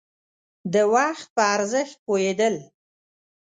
د وخت په ارزښت پوهېدل.